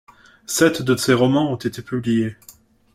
Sept de ces romans ont été publiés.